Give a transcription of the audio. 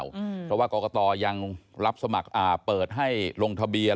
เพราะว่ากรกตยังรับสมัครเปิดให้ลงทะเบียน